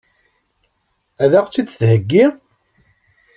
Ad ɣ-tt-id-theggi?